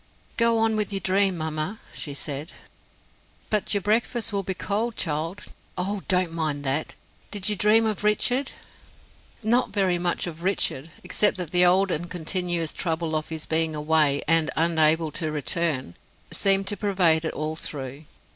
"Go on with your dream, mamma," she said. "But your breakfast will be cold, child." "Oh, don't mind that. Did you dream of Richard?" "Not very much of Richard; except that the old and continuous trouble of his being away and unable to return, seemed to pervade it all through.